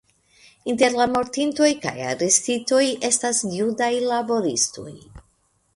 Inter la mortintoj kaj arestitoj estas judaj laboristoj.